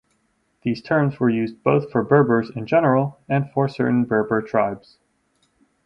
These terms were used both for Berbers in general and for certain Berber tribes.